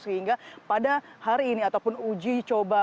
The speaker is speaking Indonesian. sehingga pada hari ini ataupun uji coba